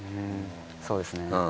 そうですね。